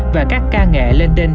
và các ca nghệ lên đênh